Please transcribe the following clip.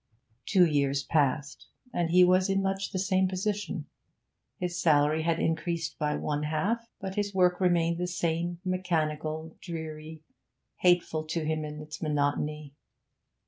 Two years passed and he was in much the same position; his salary had increased by one half, but his work remained the same, mechanical, dreary, hateful to him in its monotony.